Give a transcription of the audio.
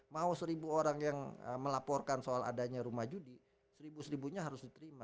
mau seribu orang yang melaporkan soal adanya rumah judi seribu seribunya harus diterima